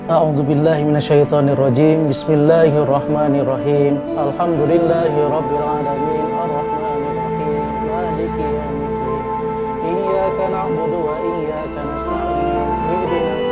a'udzubillahimina shaitanirrojim bismillahirrohmanirrohim alhamdulillahirrabbilalamin alrahmanirrohim wa alaikum warahmatullahi wabarakatuh